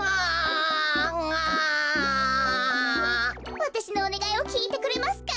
わたしのおねがいをきいてくれますか？